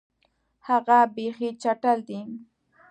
هغه بیخي چټل دی.